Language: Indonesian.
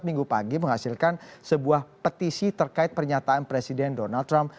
minggu pagi menghasilkan sebuah petisi terkait pernyataan presiden donald trump